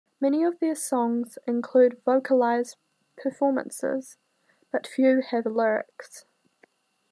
Many of their songs include vocalize performances, but few have lyrics.